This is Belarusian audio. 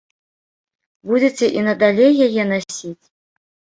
Будзеце і надалей яе насіць?